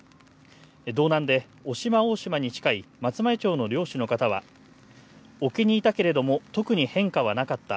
道南で渡島大島に近い松前町の漁師の方は沖にいたけれども特に変化はなかった。